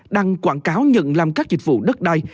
đăng quảng cáo nhận làm các dịch vụ đất đai